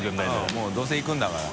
發どうせ行くんだから。